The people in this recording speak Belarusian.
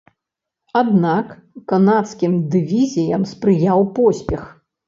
Аднак канадскім дывізіям спрыяў поспех.